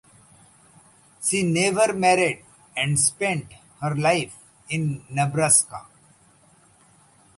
She never married and spent her life in Nebraska.